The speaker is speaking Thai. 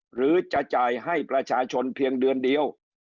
หรือจะจ่ายให้ประชาชนเพียงเดือนเดียว